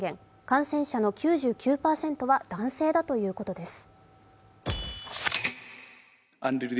感染者の９９％は男性だということです。